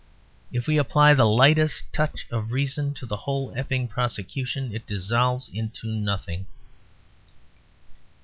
If we apply the lightest touch of reason to the whole Epping prosecution it dissolves into nothing.